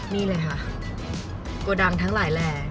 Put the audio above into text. นี่เลยค่ะโกดังทั้งหลายแหล่